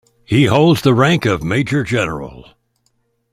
He holds the rank of Major General.